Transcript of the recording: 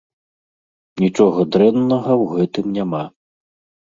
Нічога дрэннага ў гэтым няма.